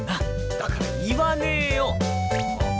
だから言わねぇよ！